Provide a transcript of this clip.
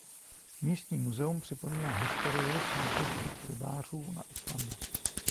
Místní muzeum připomíná historii francouzských rybářů na Islandu.